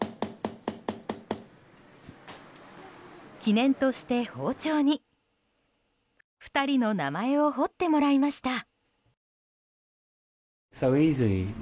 記念として包丁に、２人の名前を彫ってもらいました。